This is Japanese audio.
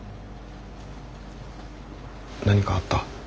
何かあった？